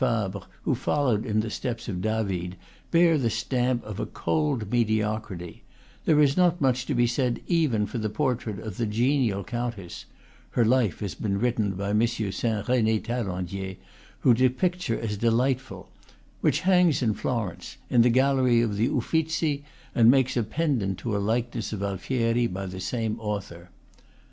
Fabre, who followed in the steps of David, bear the stamp of a cold me diocrity; there is not much to be said even for the portrait of the genial countess (her life has been written by M. Saint Rene Taillandier, who depicts her as de lightful), which hangs in Florence, in the gallery of the Uffizzi, and makes a pendant to a likeness of Alfieri by the same author.